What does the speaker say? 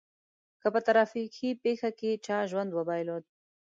که په ترافيکي پېښه کې چا ژوند وبایلود.